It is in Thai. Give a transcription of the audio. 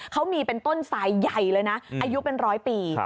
เขามีเป็นต้นสายใหญ่เลยนะอายุเป็นร้อยปี